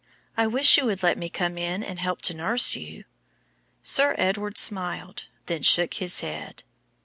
I wish you would let me come in and help to nurse you." Sir Edward smiled, then shook his head.